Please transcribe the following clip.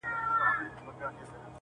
دا بزم ازلي دی تر قیامته به پاتېږي -